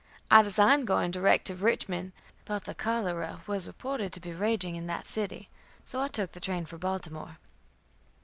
I designed going direct to Richmond, but the cholera was reported to be raging in that city, so I took the train for Baltimore.